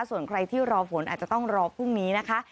ส่วนใครที่รอฝนอาจจะต้องรอพรุ่งนี้นะคะ